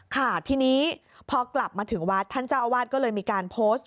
ค่ะทีนี้พอกลับมาถึงวัดท่านเจ้าอาวาสก็เลยมีการโพสต์